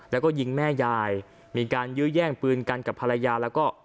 แล้วก็ยิงแม่ยายมีการยื้อแย่งปืนกันกับภรรยาแล้วก็